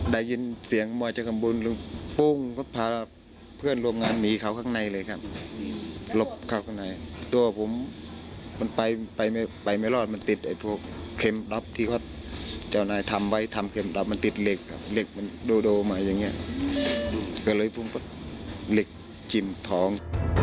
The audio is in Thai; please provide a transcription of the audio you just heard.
มันติดเหล็กเหล็กมันโดโดมาอย่างเงี้ยก็เลยพรุ่งพัดเหล็กจิ่มท้อง